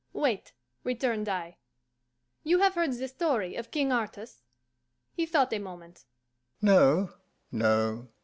"Wait," returned I. "You have heard the story of King Artus?" He thought a moment. "No, no.